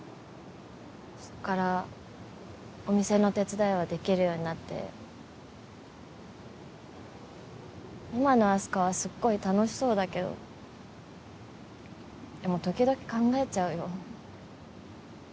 そっからお店の手伝いはできるようになって今のあす花はすっごい楽しそうだけどでも時々考えちゃうよ